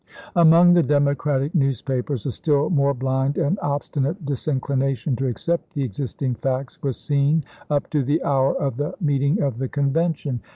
Among the Democratic newspapers a still more blind and obstinate disinclination to accept the ex isting facts was seen up to the hour of the meeting of the Convention.